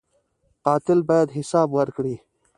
قاتل باید حساب ورکړي